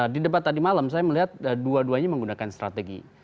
di debat tadi malam saya melihat dua duanya menggunakan strategi